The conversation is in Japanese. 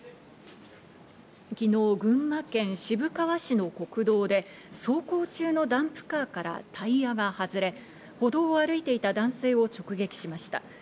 昨日、群馬県渋川市の国道で走行中のダンプカーからタイヤが外れ、歩道を歩いていた男性を直撃しました。